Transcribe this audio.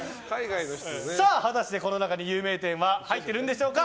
果たして、この中に有名店は入っているんでしょうか。